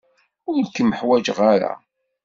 Ur kem-ḥwajeɣ ara.